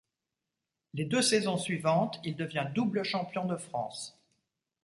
Les deux saisons suivantes, il devient double champion de France.